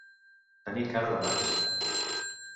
Tenir cara de maig.